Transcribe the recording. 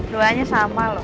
doanya sama loh